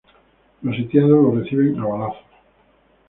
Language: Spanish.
Los sitiados lo reciben a balazos.